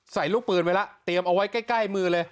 ลูกปืนไว้แล้วเตรียมเอาไว้ใกล้มือเลย